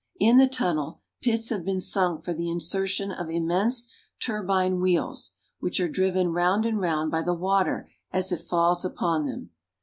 In the tunnel, pits have been sunk for the insertion of immense turbine wheels, which are driven round and round by the water as it falls upon them.